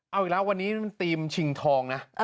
เอาอีกแล้ววันนี้มันทีมชิงทองนะ